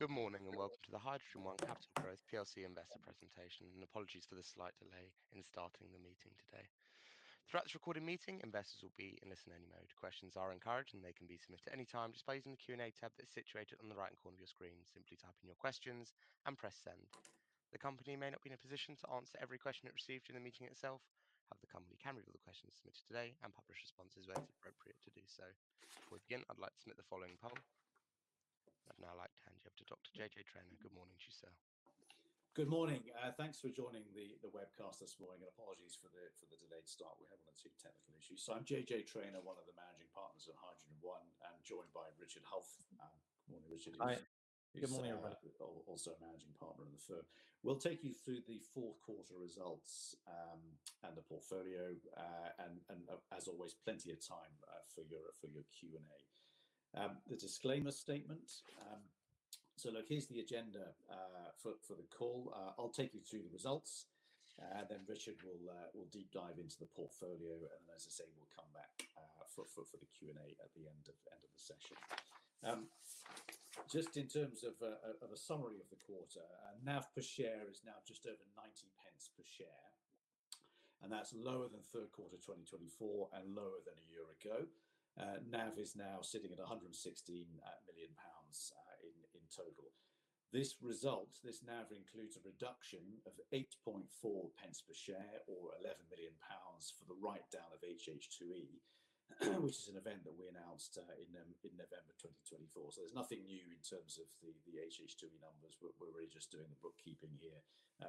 Good morning and welcome to the HydrogenOne Capital Growth Investor Presentation, and apologies for the slight delay in starting the meeting today. Throughout this recorded meeting, investors will be in listen-only mode. Questions are encouraged, and they can be submitted at any time displayed in the Q&A tab that is situated on the right-hand corner of your screen. Simply type in your questions and press send. The company may not be in a position to answer every question it received during the meeting itself. However, the company can review the questions submitted today and publish responses when it is appropriate to do so. Before we begin, I'd like to submit the following poll. I'd now like to hand you over to Dr. J.J. Traynor. Good morning to you, sir. Good morning. Thanks for joining the webcast this morning, and apologies for the delayed start. We have one or two technical issues. I am J.J. Traynor, one of the managing partners at HydrogenOne, and joined by Richard Hulf. Good morning, Richard. Hi. Good morning. Also a managing partner of the firm. We'll take you through the fourth quarter results and the portfolio, and as always, plenty of time for your Q&A. The disclaimer statement. Look, here's the agenda for the call. I'll take you through the results, then Richard will deep dive into the portfolio, and then, as I say, we'll come back for the Q&A at the end of the session. Just in terms of a summary of the quarter, NAV per share is now just over 90 pence per share, and that's lower than third quarter 2024 and lower than a year ago. NAV is now sitting at 116 million pounds in total. This result, this NAV includes a reduction of 8.4 pence per share, or 11 million pounds for the write-down of HH2E, which is an event that we announced in November 2024. There is nothing new in terms of the HH2E numbers. We are really just doing the bookkeeping here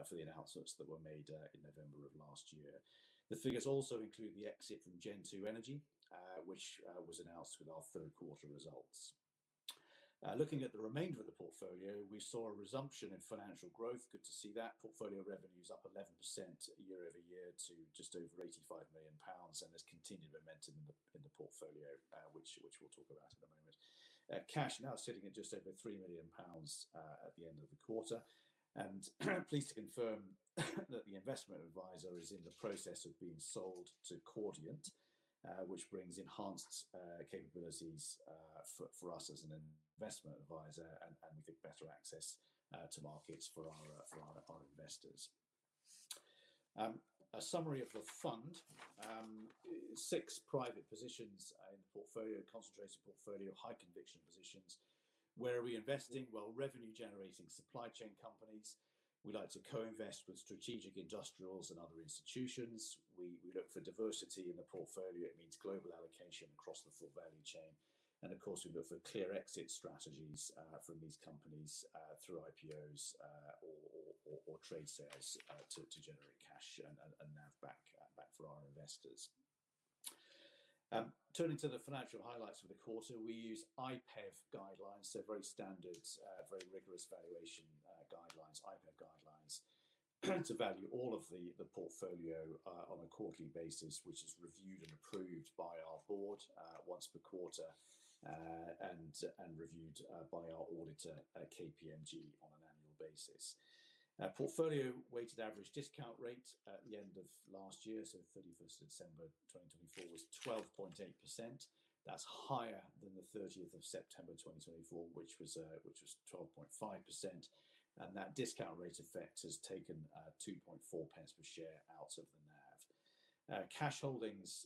for the announcements that were made in November of last year. The figures also include the exit from Gen2 Energy, which was announced with our third quarter results. Looking at the remainder of the portfolio, we saw a resumption in financial growth. Good to see that. Portfolio revenues up 11% year-over-year to just over 85 million pounds, and there is continued momentum in the portfolio, which we will talk about in a moment. Cash now sitting at just over 3 million pounds at the end of the quarter. Pleased to confirm that the investment advisor is in the process of being sold to Cordiant, which brings enhanced capabilities for us as an investment advisor and with better access to markets for our investors. A summary of the fund: six private positions in the portfolio, concentrated portfolio, high conviction positions. Where are we investing? Revenue-generating supply chain companies. We like to co-invest with strategic industrials and other institutions. We look for diversity in the portfolio. It means global allocation across the full value chain. Of course, we look for clear exit strategies from these companies through IPOs or trade sales to generate cash and NAV back for our investors. Turning to the financial highlights for the quarter, we use IPEV guidelines, very standard, very rigorous valuation guidelines, IPEV guidelines to value all of the portfolio on a quarterly basis, which is reviewed and approved by our board once per quarter and reviewed by our auditor, KPMG, on an annual basis. Portfolio weighted average discount rate at the end of last year, 31 December 2024, was 12.8%. That's higher than the 30th of September 2024, which was 12.5%. That discount rate effect has taken 2.4 pence per share out of the NAV. Cash holdings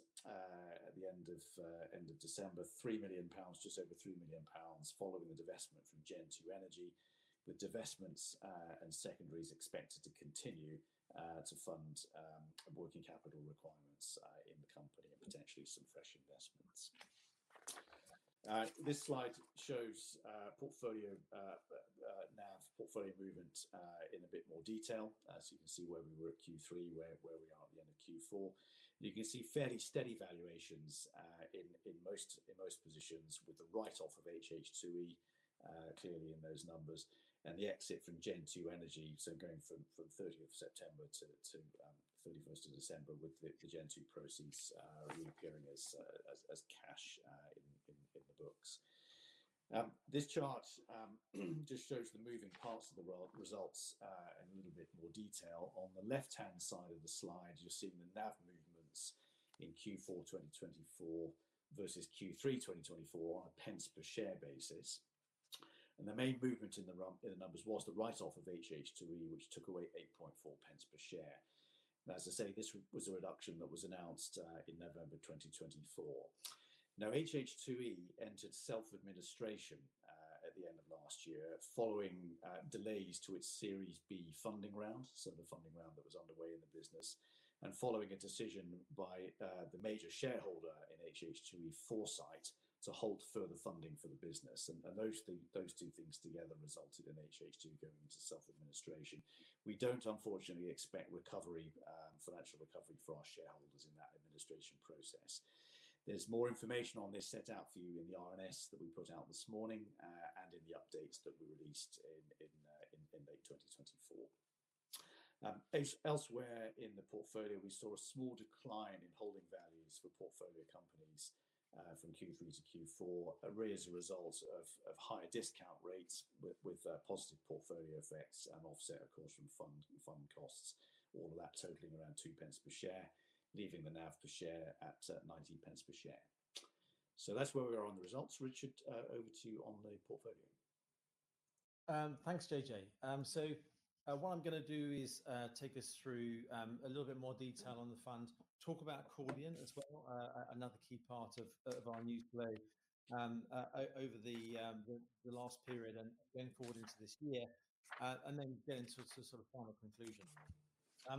at the end of December, 3 million pounds, just over 3 million pounds, following the divestment from Gen2 Energy. The divestments and secondaries are expected to continue to fund working capital requirements in the company and potentially some fresh investments. This slide shows portfolio NAV portfolio movement in a bit more detail. You can see where we were at Q3, where we are at the end of Q4. You can see fairly steady valuations in most positions with the write-off of HH2E clearly in those numbers and the exit from Gen2 Energy, going from 30th of September-31st of December with the Gen2 proceeds reappearing as cash in the books. This chart just shows the moving parts of the results in a little bit more detail. On the left-hand side of the slide, you're seeing the NAV movements in Q4 2024 versus Q3 2024 on a pence per share basis. The main movement in the numbers was the write-off of HH2E, which took away 0.084 per share. As I say, this was a reduction that was announced in November 2024. Now, HH2E entered self-administration at the end of last year following delays to its Series B funding round, so the funding round that was underway in the business, and following a decision by the major shareholder in HH2E, Foresight, to halt further funding for the business. Those two things together resulted in HH2E going into self-administration. We do not, unfortunately, expect recovery, financial recovery for our shareholders in that administration process. There is more information on this set out for you in the RNS that we put out this morning and in the updates that we released in late 2024. Elsewhere in the portfolio, we saw a small decline in holding values for portfolio companies from Q3-Q4 as a result of higher discount rates with positive portfolio effects and offset, of course, from fund costs, all of that totaling around 0.02 per share, leaving the NAV per share at 0.19 per share. That is where we are on the results. Richard, over to you on the portfolio. Thanks, J.J. So what I'm going to do is take us through a little bit more detail on the fund, talk about Cordiant as well, another key part of our news flow over the last period and going forward into this year, and then get into sort of final conclusion.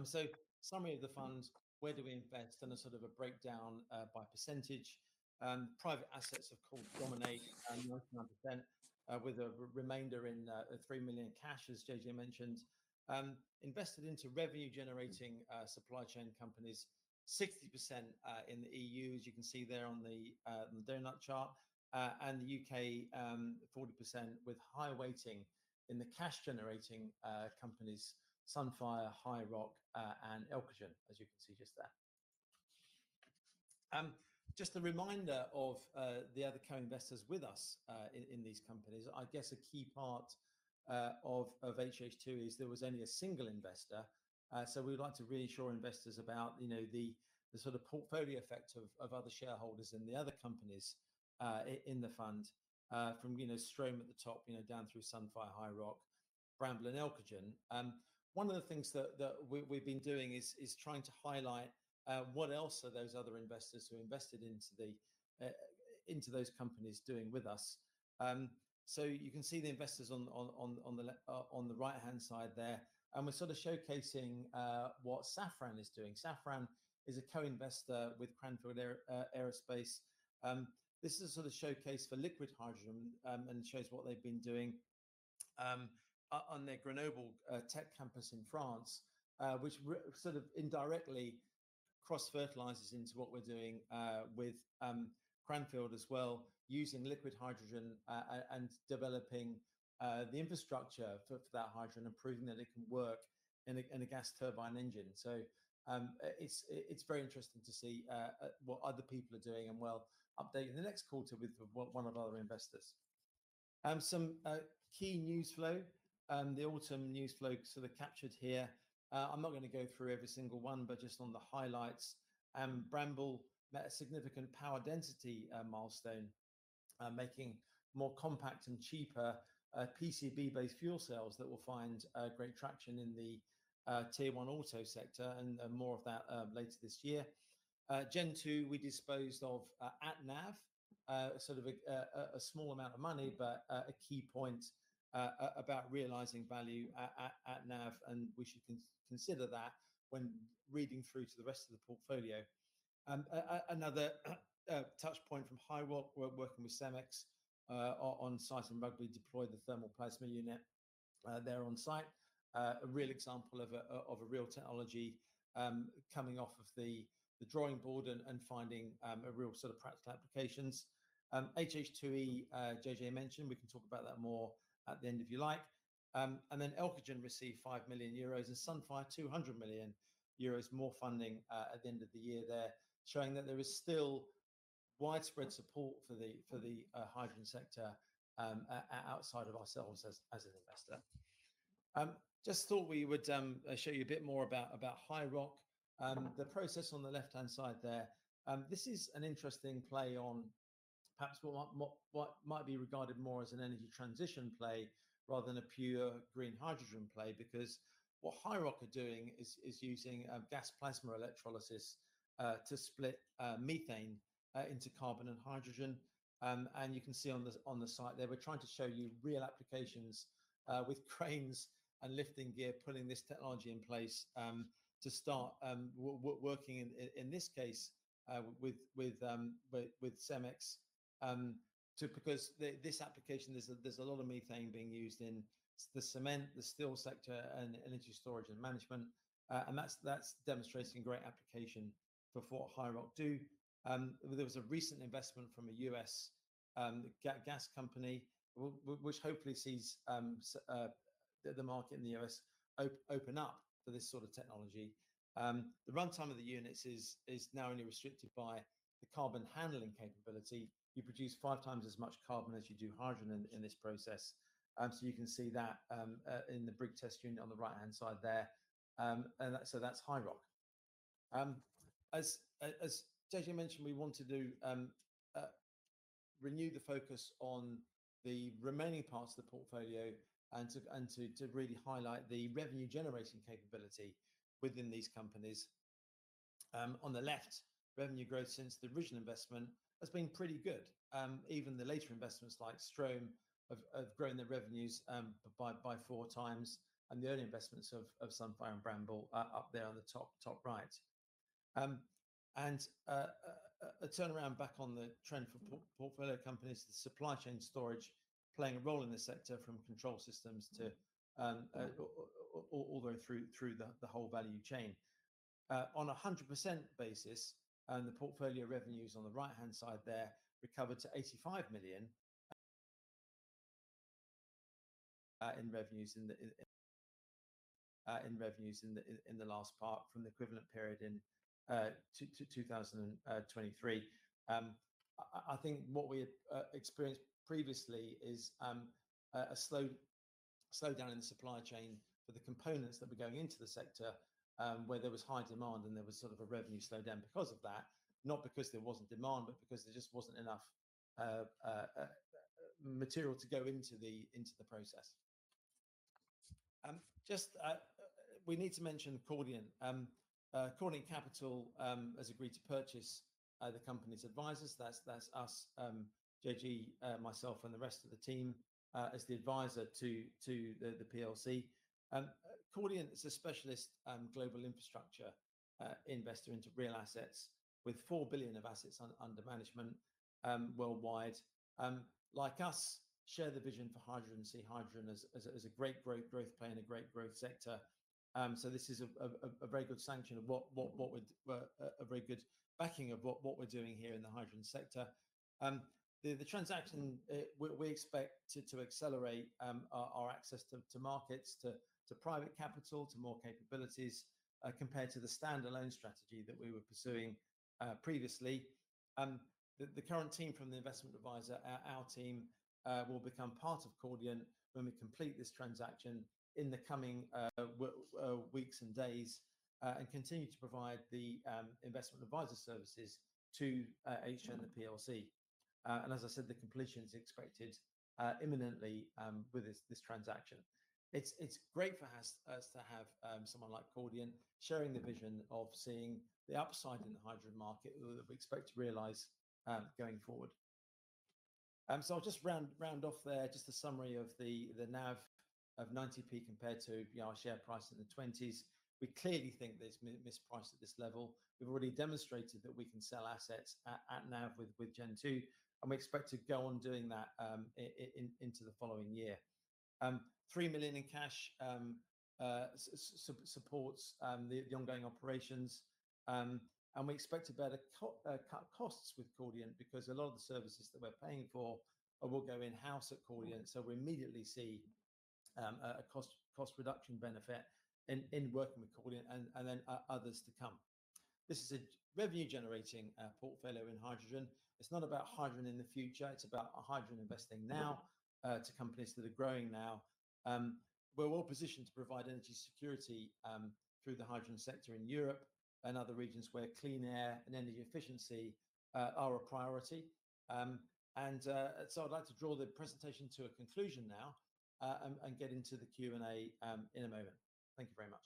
So summary of the fund, where do we invest, and a sort of a breakdown by percentage. Private assets, of course, dominate 99%, with a remainder in 3 million cash, as J.J. mentioned. Invested into revenue-generating supply chain companies, 60% in the EU, as you can see there on the donut chart, and the U.K., 40% with high weighting in the cash-generating companies, Sunfire, HiiROC, and Elcogen, as you can see just there. Just a reminder of the other co-investors with us in these companies. I guess a key part of HH2E is there was only a single investor, so we'd like to reassure investors about the sort of portfolio effect of other shareholders in the other companies in the fund from Strohm at the top down through Sunfire, HiiROC, Bramble, and Elcogen. One of the things that we've been doing is trying to highlight what else are those other investors who invested into those companies doing with us. You can see the investors on the right-hand side there, and we're sort of showcasing what Safran is doing. Safran is a co-investor with Cranfield Aerospace. This is a sort of showcase for liquid hydrogen and shows what they've been doing on their Grenoble tech campus in France, which sort of indirectly cross-fertilizes into what we're doing with Cranfield as well, using liquid hydrogen and developing the infrastructure for that hydrogen and proving that it can work in a gas turbine engine. It is very interesting to see what other people are doing and we will update in the next quarter with one of our other investors. Some key news flow, the autumn news flow sort of captured here. I am not going to go through every single one, but just on the highlights, Bramble met a significant power density milestone, making more compact and cheaper PCB-based fuel cells that will find great traction in the tier one auto sector, and more of that later this year. Gen2, we disposed of at NAV, sort of a small amount of money, but a key point about realizing value at NAV, and we should consider that when reading through to the rest of the portfolio. Another touchpoint from HiiROC, we're working with Cemex on site and Rugby deployed the thermal plasma unit there on site. A real example of a real technology coming off of the drawing board and finding a real sort of practical applications. HH2E, J.J. mentioned, we can talk about that more at the end if you like. Elcogen received 5 million euros and Sunfire 200 million euros more funding at the end of the year there, showing that there is still widespread support for the hydrogen sector outside of ourselves as an investor. Just thought we would show you a bit more about HiiROC. The process on the left-hand side there, this is an interesting play on perhaps what might be regarded more as an energy transition play rather than a pure green hydrogen play, because what HiiROC are doing is using gas plasma electrolysis to split methane into carbon and hydrogen. You can see on the site there, we're trying to show you real applications with cranes and lifting gear pulling this technology in place to start working in this case with Cemex, because this application, there's a lot of methane being used in the cement, the steel sector, and energy storage and management, and that's demonstrating a great application for what HiiROC do. There was a recent investment from a U.S. gas company, which hopefully sees the market in the US open up for this sort of technology. The runtime of the units is now only restricted by the carbon handling capability. You produce five times as much carbon as you do hydrogen in this process. You can see that in the brief test unit on the right-hand side there. That is HiiROC. As J.J. mentioned, we want to renew the focus on the remaining parts of the portfolio and to really highlight the revenue-generating capability within these companies. On the left, revenue growth since the original investment has been pretty good. Even the later investments like Strohm have grown their revenues by four times, and the early investments of Sunfire and Bramble are up there on the top right. A turnaround back on the trend for portfolio companies, the supply chain storage playing a role in the sector from control systems all the way through the whole value chain. On a 100% basis, the portfolio revenues on the right-hand side there recovered to 85 million in revenues in the last part from the equivalent period in 2023. I think what we experienced previously is a slowdown in the supply chain for the components that were going into the sector where there was high demand and there was sort of a revenue slowdown because of that, not because there was not demand, but because there just was not enough material to go into the process. Just we need to mention Cordiant. Cordiant Capital has agreed to purchase the company's advisors. That is us, J.J., myself, and the rest of the team as the advisor to the PLC. Cordiant is a specialist global infrastructure investor into real assets with 4 billion of assets under management worldwide. Like us, share the vision for hydrogen and see hydrogen as a great growth play in a great growth sector. This is a very good sanction of what we are, a very good backing of what we are doing here in the hydrogen sector. The transaction, we expect to accelerate our access to markets, to private capital, to more capabilities compared to the standalone strategy that we were pursuing previously. The current team from the investment advisor, our team, will become part of Cordiant when we complete this transaction in the coming weeks and days and continue to provide the investment advisory services to H and the PLC. As I said, the completion is expected imminently with this transaction. It is great for us to have someone like Cordiant sharing the vision of seeing the upside in the hydrogen market that we expect to realize going forward. I'll just round off there, just a summary of the NAV of 90 pence compared to our share price in the 20s. We clearly think there's mispriced at this level. We've already demonstrated that we can sell assets at NAV with Gen2, and we expect to go on doing that into the following year. 3 million in cash supports the ongoing operations, and we expect to bear the costs with Cordiant because a lot of the services that we're paying for will go in-house at Cordiant, so we immediately see a cost reduction benefit in working with Cordiant and then others to come. This is a revenue-generating portfolio in hydrogen. It's not about hydrogen in the future. It's about hydrogen investing now to companies that are growing now. We're well positioned to provide energy security through the hydrogen sector in Europe and other regions where clean air and energy efficiency are a priority. I'd like to draw the presentation to a conclusion now and get into the Q&A in a moment. Thank you very much.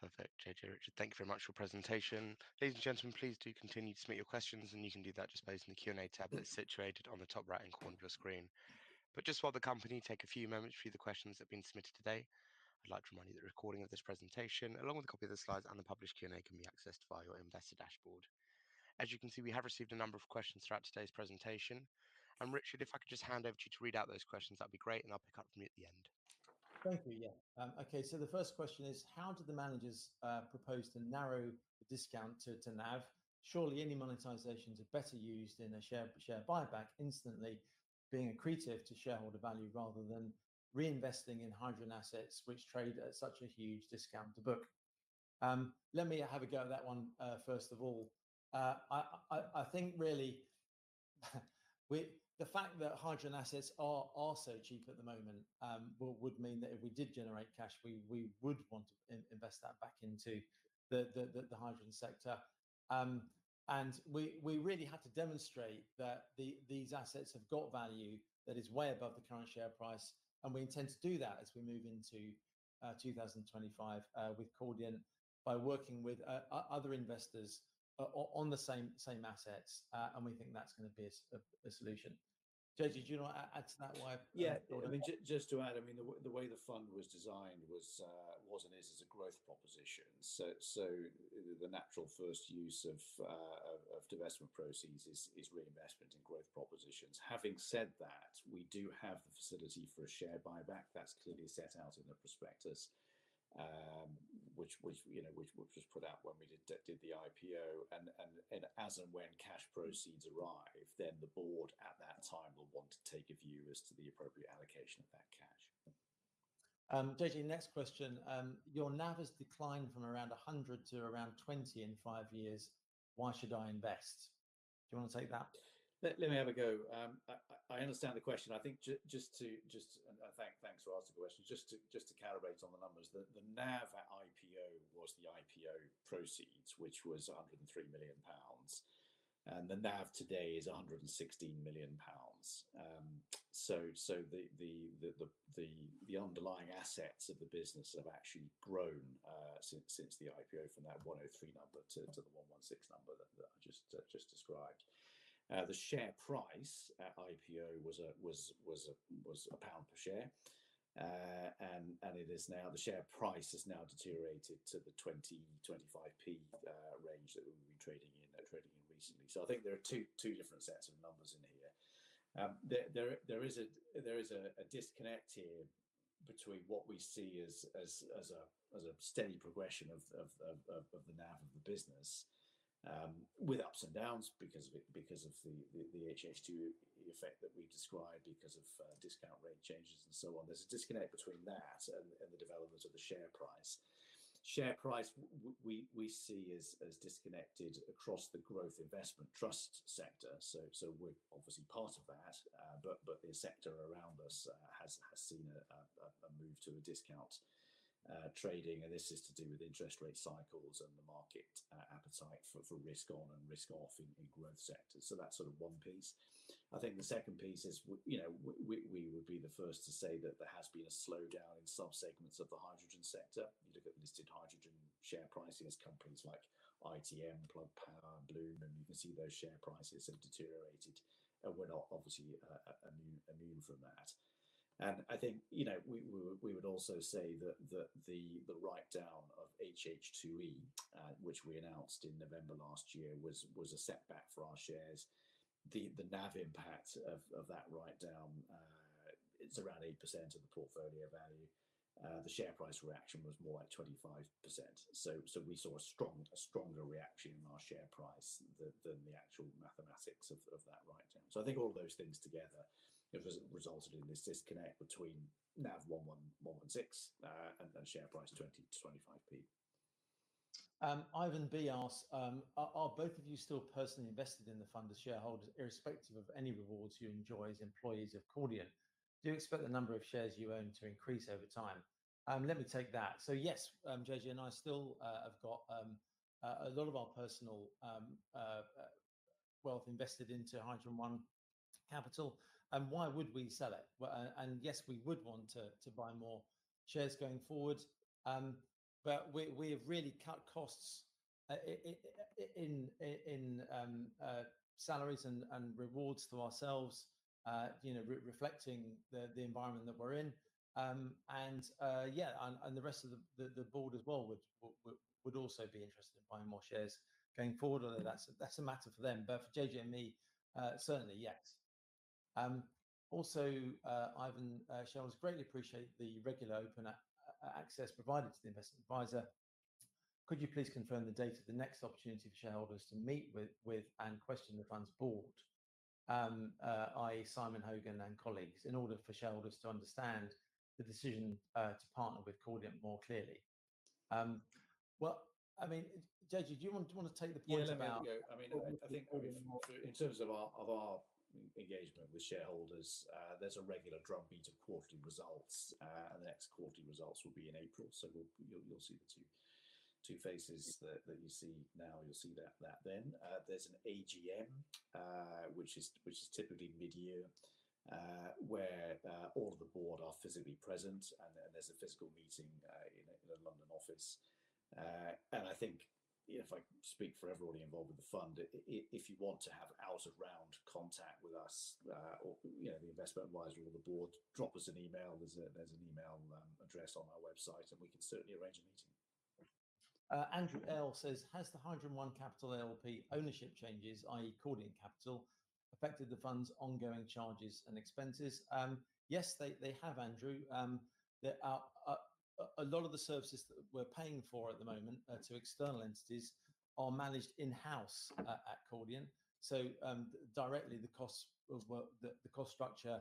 Perfect. J.J. Richard, thank you very much for your presentation. Ladies and gentlemen, please do continue to submit your questions, and you can do that just by using the Q&A tab that's situated on the top right-hand corner of your screen. Just while the company takes a few moments for you, the questions that have been submitted today, I'd like to remind you that the recording of this presentation, along with a copy of the slides and the published Q&A, can be accessed via your investor dashboard. As you can see, we have received a number of questions throughout today's presentation. Richard, if I could just hand over to you to read out those questions, that'd be great, and I'll pick up from you at the end. Thank you. Yeah. Okay. The first question is, how did the managers propose to narrow the discount to NAV? Surely any monetization is better used in a share buyback instantly, being accretive to shareholder value rather than reinvesting in hydrogen assets, which trade at such a huge discount to book. Let me have a go at that one first of all. I think really the fact that hydrogen assets are so cheap at the moment would mean that if we did generate cash, we would want to invest that back into the hydrogen sector. We really have to demonstrate that these assets have got value that is way above the current share price, and we intend to do that as we move into 2025 with Cordiant by working with other investors on the same assets, and we think that is going to be a solution. J.J., do you want to add to that? Yeah. I mean, just to add, I mean, the way the fund was designed was and is as a growth proposition. The natural first use of divestment proceeds is reinvestment in growth propositions. Having said that, we do have the facility for a share buyback. That is clearly set out in the prospectus, which was put out when we did the IPO. As and when cash proceeds arrive, the board at that time will want to take a view as to the appropriate allocation of that cash. J.J., next question. Your NAV has declined from around 100 to around 20 in five years. Why should I invest? Do you want to take that? Let me have a go. I understand the question. I think just to—thanks for asking the question—just to calibrate on the numbers, the NAV at IPO was the IPO proceeds, which was 103 million pounds, and the NAV today is 116 million pounds. So the underlying assets of the business have actually grown since the IPO from that 103 number to the 116 number that I just described. The share price at IPO was GBP 1 per share, and it is now—the share price has now deteriorated to the 0.20-0.25 range that we will be trading in recently. I think there are two different sets of numbers in here. There is a disconnect here between what we see as a steady progression of the NAV of the business with ups and downs because of the HH2E effect that we described because of discount rate changes and so on. There's a disconnect between that and the development of the share price. Share price we see as disconnected across the growth investment trust sector. We are obviously part of that, but the sector around us has seen a move to a discount trading, and this is to do with interest rate cycles and the market appetite for risk on and risk off in growth sectors. That is sort of one piece. I think the second piece is we would be the first to say that there has been a slowdown in some segments of the hydrogen sector. You look at listed hydrogen share prices of companies like ITM, Plug Power, Bloom Energy, and you can see those share prices have deteriorated. We are not obviously immune from that. I think we would also say that the write-down of HH2E, which we announced in November last year, was a setback for our shares. The NAV impact of that write-down, it's around 8% of the portfolio value. The share price reaction was more like 25%. We saw a stronger reaction in our share price than the actual mathematics of that write-down. I think all of those things together have resulted in this disconnect between NAV 116 million and share price 0.20-0.25. Ivan B asks, "Are both of you still personally invested in the fund as shareholders, irrespective of any rewards you enjoy as employees of Cordiant? Do you expect the number of shares you own to increase over time?" Let me take that. Yes, J.J. and I still have got a lot of our personal wealth invested into HydrogenOne Capital. Why would we sell it? Yes, we would want to buy more shares going forward, but we have really cut costs in salaries and rewards to ourselves, reflecting the environment that we're in. The rest of the board as well would also be interested in buying more shares going forward. That's a matter for them. For J.J. and me, certainly, yes. Also, Ivan shares greatly appreciate the regular open access provided to the investment advisor. Could you please confirm the date of the next opportunity for shareholders to meet with and question the fund's board, i.e., Simon Hogan and colleagues, in order for shareholders to understand the decision to partner with Cordiant more clearly? I mean, J.J., do you want to take the point about? Yeah, let me have a go. I mean, I think in terms of our engagement with shareholders, there's a regular drumbeat of quarterly results, and the next quarterly results will be in April. You will see the two faces that you see now. You will see that then. There is an AGM, which is typically mid-year, where all of the board are physically present, and there is a physical meeting in a London office. I think if I speak for everybody involved with the fund, if you want to have out-of-round contact with us, the investment advisor or the board, drop us an email. There is an email address on our website, and we can certainly arrange a meeting. Andrew L says, "Has the HydrogenOne Capital LLP ownership changes, i.e., Cordiant Capital, affected the fund's ongoing charges and expenses?" Yes, they have, Andrew. A lot of the services that we're paying for at the moment to external entities are managed in-house at Cordiant. Directly, the cost structure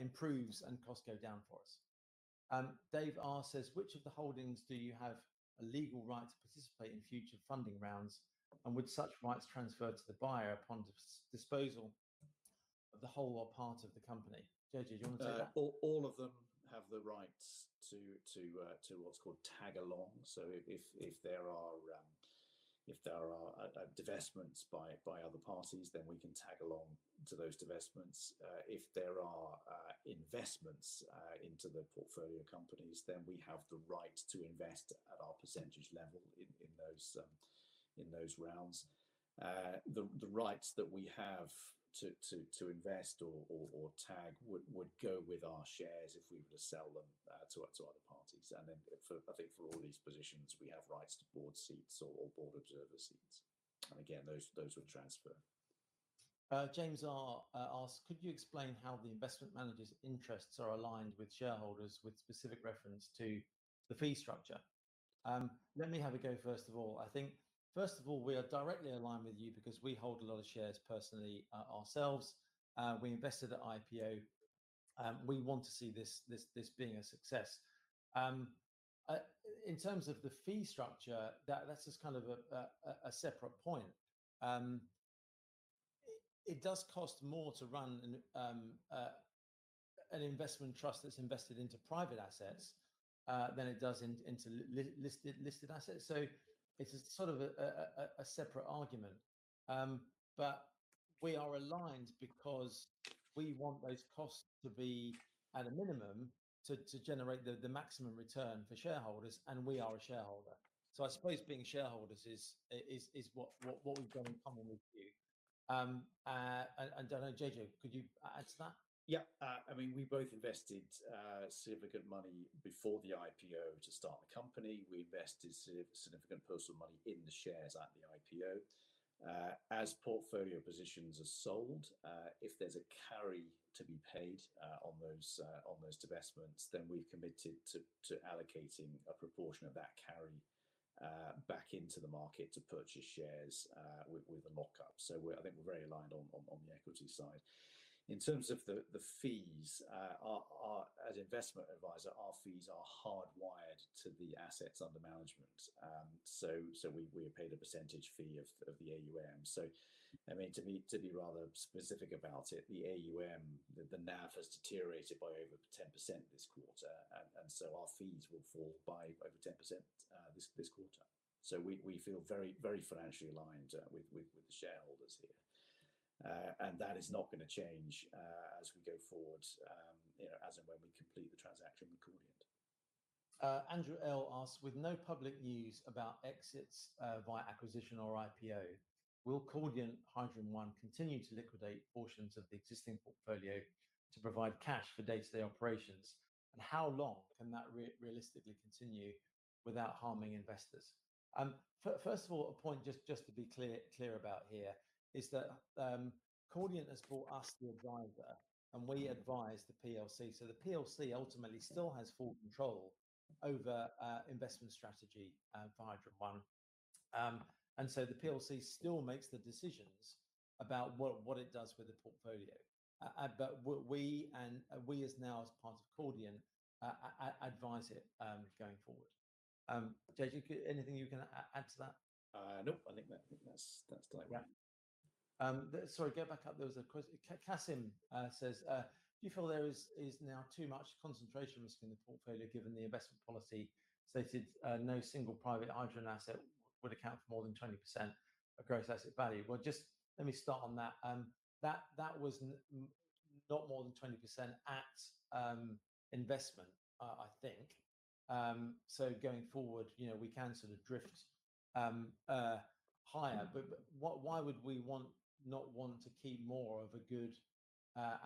improves and costs go down for us. Dave R says, "Which of the holdings do you have a legal right to participate in future funding rounds, and would such rights transfer to the buyer upon disposal of the whole or part of the company?" J.J., do you want to take that? All of them have the rights to what's called tag along. If there are divestments by other parties, then we can tag along to those divestments. If there are investments into the portfolio companies, then we have the right to invest at our percentage level in those rounds. The rights that we have to invest or tag would go with our shares if we were to sell them to other parties. I think for all these positions, we have rights to board seats or board observer seats. Those would transfer. James R asks, "Could you explain how the investment manager's interests are aligned with shareholders with specific reference to the fee structure?" Let me have a go, first of all. I think, first of all, we are directly aligned with you because we hold a lot of shares personally ourselves. We invested at IPO. We want to see this being a success. In terms of the fee structure, that's just kind of a separate point. It does cost more to run an investment trust that's invested into private assets than it does into listed assets. It is sort of a separate argument. We are aligned because we want those costs to be at a minimum to generate the maximum return for shareholders, and we are a shareholder. I suppose being shareholders is what we've done in common with you. I know J.J., could you add to that? Yeah. I mean, we both invested significant money before the IPO to start the company. We invested significant personal money in the shares at the IPO. As portfolio positions are sold, if there's a carry to be paid on those divestments, then we've committed to allocating a proportion of that carry back into the market to purchase shares with a lock-up. I think we're very aligned on the equity side. In terms of the fees, as an investment advisor, our fees are hardwired to the assets under management. We are paid a percentage fee of the AUM. I mean, to be rather specific about it, the AUM, the NAV has deteriorated by over 10% this quarter, and our fees will fall by over 10% this quarter. We feel very financially aligned with the shareholders here. That is not going to change as we go forward, as and when we complete the transaction with Cordiant. Andrew L asks, "With no public news about exits via acquisition or IPO, will Cordiant HydrogenOne continue to liquidate portions of the existing portfolio to provide cash for day-to-day operations? And how long can that realistically continue without harming investors?" First of all, a point just to be clear about here is that Cordiant has brought us the advisor, and we advise the PLC. The PLC ultimately still has full control over investment strategy for HydrogenOne. The PLC still makes the decisions about what it does with the portfolio. We as now as part of Cordiant advise it going forward. J.J., anything you can add to that? Nope. I think that's done it right. Sorry, go back up. There was a question. Kasim says, "Do you feel there is now too much concentration risk in the portfolio given the investment policy stated no single private hydrogen asset would account for more than 20% of gross asset value?" Just let me start on that. That was not more than 20% at investment, I think. Going forward, we can sort of drift higher. Why would we not want to keep more of a good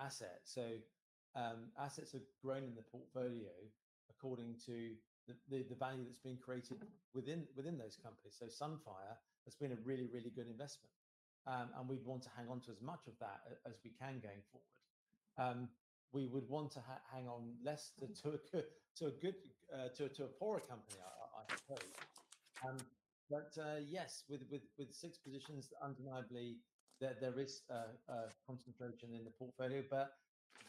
asset? Assets have grown in the portfolio according to the value that's been created within those companies. Sunfire has been a really, really good investment. We'd want to hang on to as much of that as we can going forward. We'd want to hang on less to a poorer company, I suppose. Yes, with six positions, undeniably, there is concentration in the portfolio.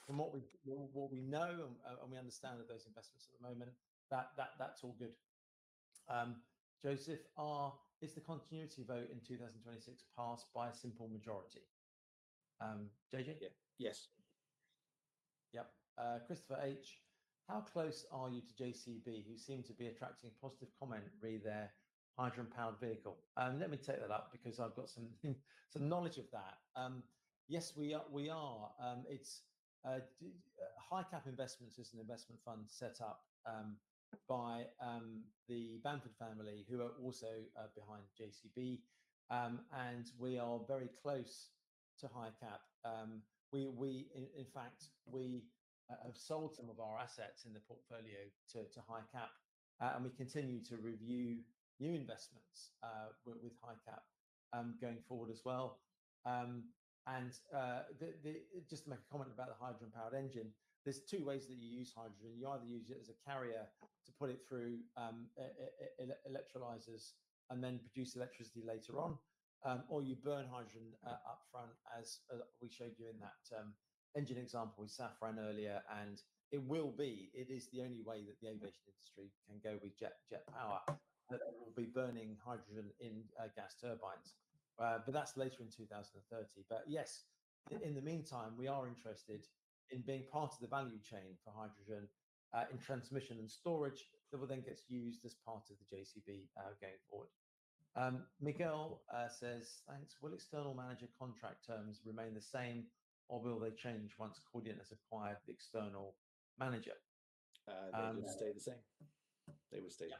From what we know and we understand of those investments at the moment, that's all good. Joseph R, is the continuity vote in 2026 passed by a simple majority? J.J.? Yes. Yep. Christopher H, how close are you to JCB, who seem to be attracting positive comment, read there, hydrogen-powered vehicle? Let me take that up because I've got some knowledge of that. Yes, we are. It's HyCap Investments is an investment fund set up by the Bamford family, who are also behind JCB, and we are very close to HyCap. In fact, we have sold some of our assets in the portfolio to HyCap, and we continue to review new investments with HyCap going forward as well. Just to make a comment about the hydrogen-powered engine, there are two ways that you use hydrogen. You either use it as a carrier to put it through electrolyzers and then produce electricity later on, or you burn hydrogen upfront, as we showed you in that engine example with Safran earlier. It will be—it is the only way that the aviation industry can go with jet power—that will be burning hydrogen in gas turbines. That is later in 2030. Yes, in the meantime, we are interested in being part of the value chain for hydrogen in transmission and storage that will then get used as part of the JCB going forward. Miguel says, "Thanks. Will external manager contract terms remain the same, or will they change once Cordiant has acquired the external manager? They will stay the same.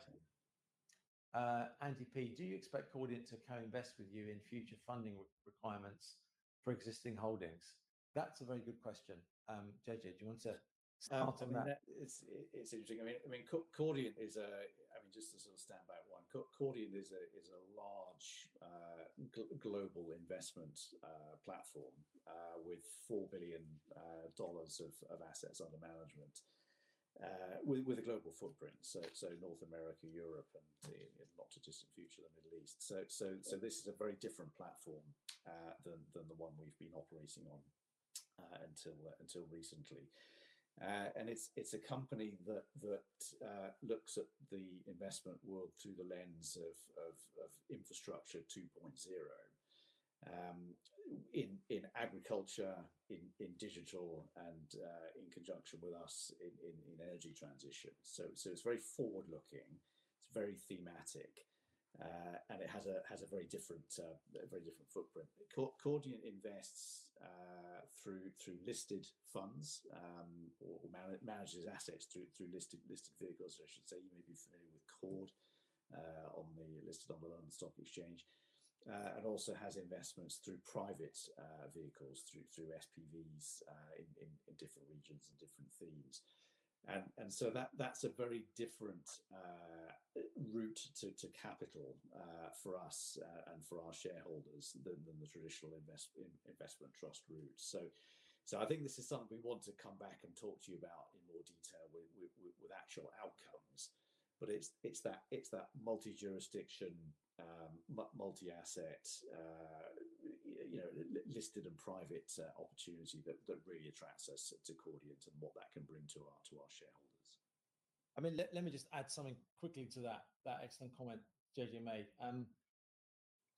Do you expect Cordiant to co-invest with you in future funding requirements for existing holdings?" That's a very good question. J.J., do you want to start on that? It's interesting. I mean, Cordiant is a—I mean, just to sort of stand by one. Cordiant is a large global investment platform with $4 billion of assets under management with a global footprint. North America, Europe, and in the not-too-distant future, the Middle East. This is a very different platform than the one we've been operating on until recently. It's a company that looks at the investment world through the lens of infrastructure 2.0 in agriculture, in digital, and in conjunction with us in energy transition. It's very forward-looking. It's very thematic, and it has a very different footprint. Cordiant invests through listed funds or manages assets through listed vehicles. I should say you may be familiar with CORD on the listed on the London Stock Exchange. It also has investments through private vehicles, through SPVs in different regions and different themes. That is a very different route to capital for us and for our shareholders than the traditional investment trust route. I think this is something we want to come back and talk to you about in more detail with actual outcomes. It is that multi-jurisdiction, multi-asset, listed and private opportunity that really attracts us to Cordiant and what that can bring to our shareholders. I mean, let me just add something quickly to that excellent comment, J.J. and May.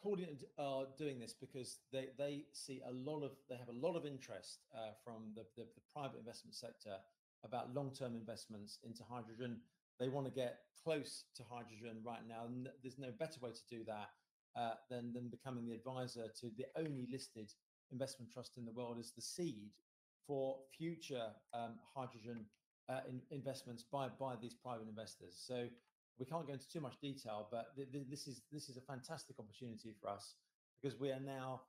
Cordiant are doing this because they see a lot of—they have a lot of interest from the private investment sector about long-term investments into hydrogen. They want to get close to hydrogen right now. There is no better way to do that than becoming the advisor to the only listed investment trust in the world as the seed for future hydrogen investments by these private investors. We can't go into too much detail, but this is a fantastic opportunity for us because we are now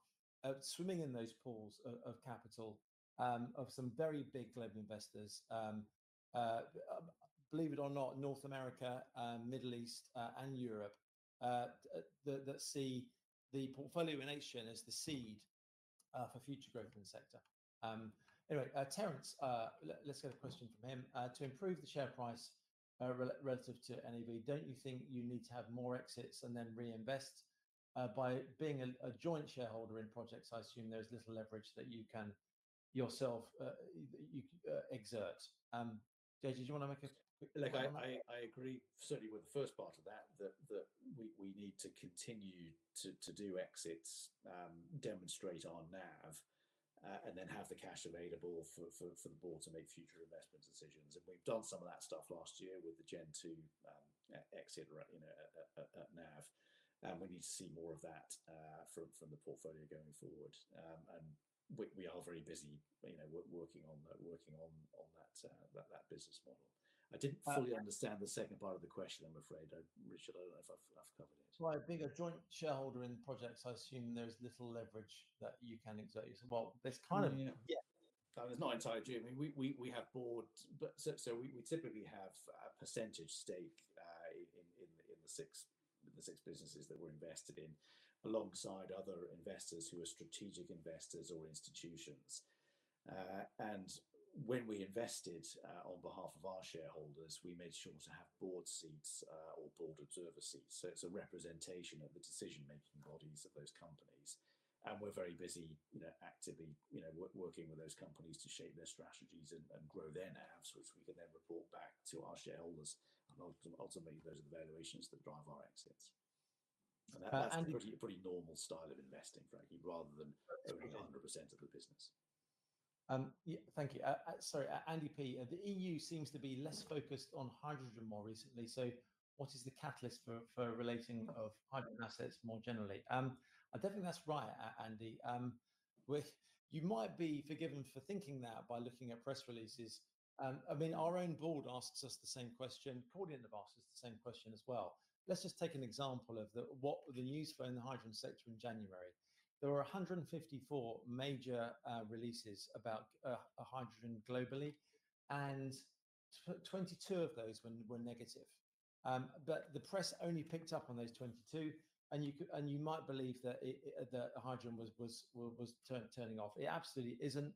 swimming in those pools of capital of some very big global investors, believe it or not, North America, Middle East, and Europe that see the portfolio in action as the seed for future growth in the sector. Anyway, Terrence, let's get a question from him. To improve the share price relative to NAV, don't you think you need to have more exits and then reinvest? By being a joint shareholder in projects, I assume there's little leverage that you can yourself exert. J.J., do you want to make a comment? I agree certainly with the first part of that, that we need to continue to do exits, demonstrate our NAV, and then have the cash available for the board to make future investment decisions. We have done some of that stuff last year with the Gen2 exit at NAV. We need to see more of that from the portfolio going forward. We are very busy working on that business model. I did not fully understand the second part of the question, I am afraid. Richard, I do not know if I have covered it. I think a joint shareholder in projects, I assume there's little leverage that you can exert. Well, there's kind of. Yeah. That is not entirely true. I mean, we have boards. We typically have a percentage stake in the six businesses that we're invested in alongside other investors who are strategic investors or institutions. When we invested on behalf of our shareholders, we made sure to have board seats or board observer seats. It is a representation of the decision-making bodies of those companies. We're very busy actively working with those companies to shape their strategies and grow their NAVs, which we can then report back to our shareholders. Ultimately, those are the valuations that drive our exits. That is a pretty normal style of investing, frankly, rather than owning 100% of the business. Thank you. Sorry. Andy P, the EU seems to be less focused on hydrogen more recently. What is the catalyst for relating of hydrogen assets more generally? I definitely think that's right, Andy. You might be forgiven for thinking that by looking at press releases. I mean, our own board asks us the same question. Cordiant have asked us the same question as well. Let's just take an example of what the news for the hydrogen sector in January. There were 154 major releases about hydrogen globally, and 22 of those were negative. The press only picked up on those 22, and you might believe that hydrogen was turning off. It absolutely isn't.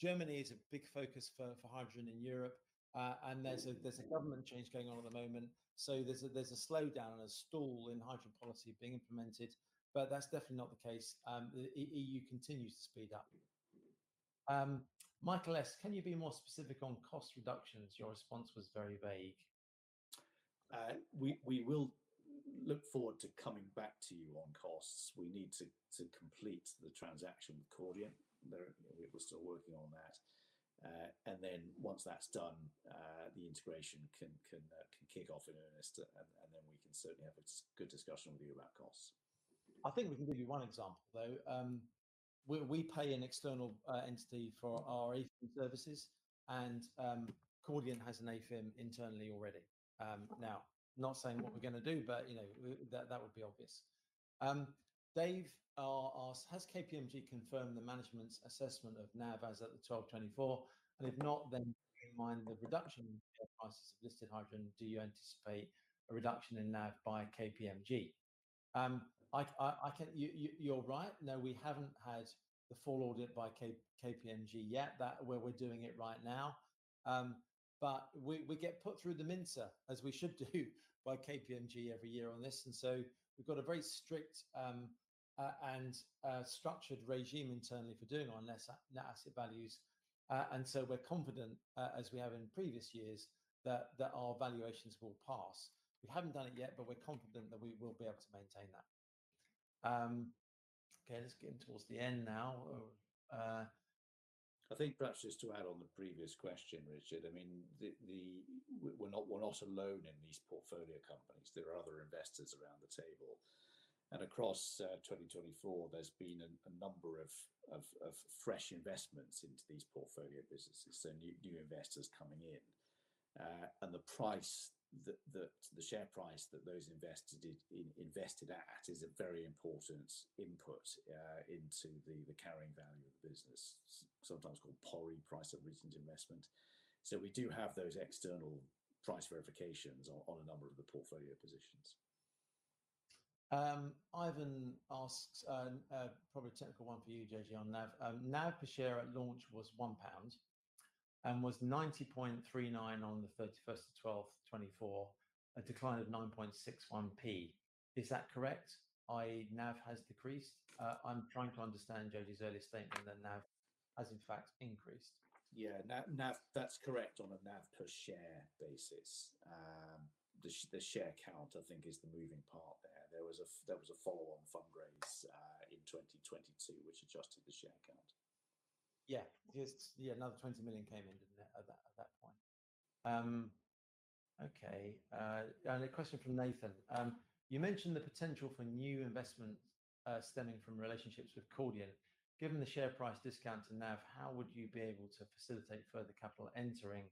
Germany is a big focus for hydrogen in Europe, and there's a government change going on at the moment. There is a slowdown and a stall in hydrogen policy being implemented, but that's definitely not the case. The EU continues to speed up. Michael S, can you be more specific on cost reductions? Your response was very vague. We will look forward to coming back to you on costs. We need to complete the transaction with Cordiant. We are still working on that. Once that is done, the integration can kick off in earnest, and we can certainly have a good discussion with you about costs. I think we can give you one example, though. We pay an external entity for our AIFM services, and Cordiant has an AIFM internally already. Now, not saying what we're going to do, but that would be obvious. Dave asks, "Has KPMG confirmed the management's assessment of NAV as at the 12/24? And if not, then in mind the reduction in share prices of listed hydrogen, do you anticipate a reduction in NAV by KPMG?" You're right. No, we haven't had the full audit by KPMG yet where we're doing it right now. We get put through the minter, as we should do by KPMG every year on this. We have a very strict and structured regime internally for doing our net asset values. We are confident, as we have in previous years, that our valuations will pass. We haven't done it yet, but we're confident that we will be able to maintain that. Okay. Let's get in towards the end now. I think perhaps just to add on the previous question, Richard, I mean, we're not alone in these portfolio companies. There are other investors around the table. Across 2024, there's been a number of fresh investments into these portfolio businesses, new investors coming in. The share price that those investors invested at is a very important input into the carrying value of the business, sometimes called PORI, price of recent investment. We do have those external price verifications on a number of the portfolio positions. Ivan asks, probably a technical one for you, J.J., on NAV. NAV per share at launch was 1 pound and was 90.39 pence on the 31st of December 2024, a decline of 9.61 pence. Is that correct? I.e., NAV has decreased? I'm trying to understand J.J.'s earlier statement that NAV has, in fact, increased. Yeah. That's correct on a NAV per share basis. The share count, I think, is the moving part there. There was a follow-on fundraise in 2022 which adjusted the share count. Yeah. Yeah. Another 20 million came in at that point. Okay. A question from Nathan. You mentioned the potential for new investment stemming from relationships with Cordiant. Given the share price discount to NAV, how would you be able to facilitate further capital entering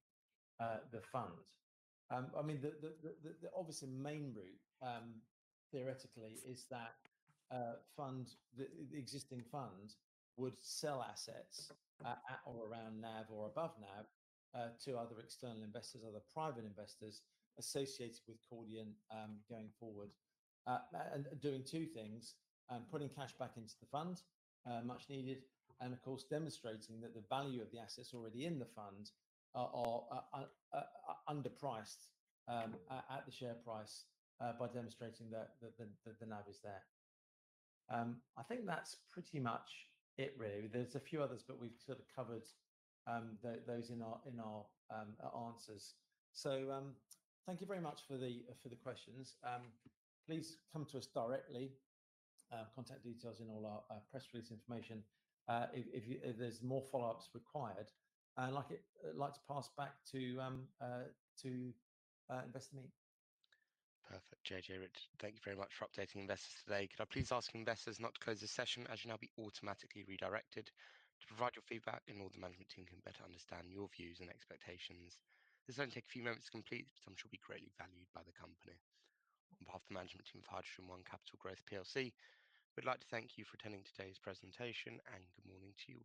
the fund? I mean, the obvious main route, theoretically, is that existing fund would sell assets at or around NAV or above NAV to other external investors, other private investors associated with Cordiant going forward, doing two things: putting cash back into the fund, much needed, and, of course, demonstrating that the value of the assets already in the fund are underpriced at the share price by demonstrating that the NAV is there. I think that's pretty much it, really. There are a few others, but we've sort of covered those in our answers. Thank you very much for the questions. Please come to us directly. Contact details in all our press release information if there's more follow-ups required. I'd like to pass back to Investor Meet. Perfect. J.J., thank you very much for updating investors today. Could I please ask investors not to close the session as you will now be automatically redirected to provide your feedback, in order that the management team can better understand your views and expectations. This will only take a few moments to complete, but it will be greatly valued by the company. On behalf of the management team of HydrogenOne Capital Growth, we'd like to thank you for attending today's presentation, and good morning to you.